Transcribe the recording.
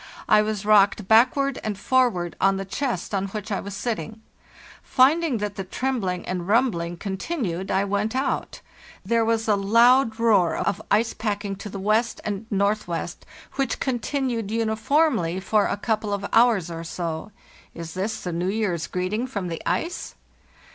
I was rocked backward and forward on the chest on which I was sitting. Finding that the trembling and rumbling continued, I went out. There was a loud roar of ice THE NEW VEAR, 1895 43 packing to the west and northwest, which continued uni formly for a couple of hours or so. Is this the New year's greeting from the ice?